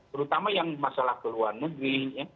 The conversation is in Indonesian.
terutama yang masalah keluar negeri ya